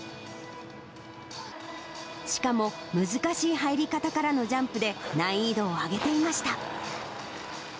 しかも難しい入り方からのジャンプで、難易度を上げていました。